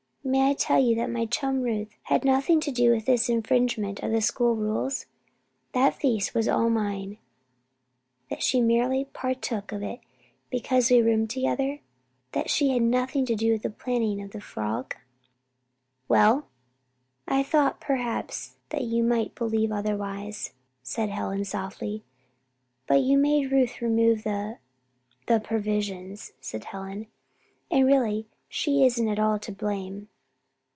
"May I tell you that my chum Ruth had nothing to do with this infringement of the school rules? That the feast was all mine; that she merely partook of it because we roomed together? That she had nothing to do with the planning of the frolic?" "Well?" "I thought perhaps that you might believe otherwise," said Helen, softly, "as you made Ruth remove the the provisions," said Helen. "And really, she isn't at all to blame."